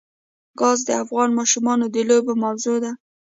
ګاز د افغان ماشومانو د لوبو موضوع ده.